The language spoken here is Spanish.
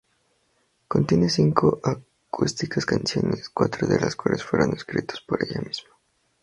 Contiene cinco acústicas canciones, cuatro de los cuales fueron escritos por ella misma.